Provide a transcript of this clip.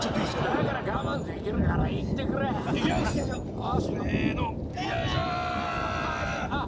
だから我慢できるからいってくれいきますせーのよいしょーあっ